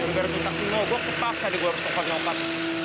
gara gara kita sini gue kepaksa nih gue harus tebak njokat